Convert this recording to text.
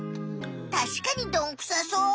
たしかにどんくさそう。